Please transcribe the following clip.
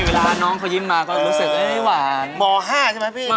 เวลาน้องเขายิ้มมาก็รู้สึกว่าไม่ได้หวาน